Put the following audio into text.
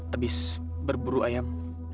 habis berburu ayam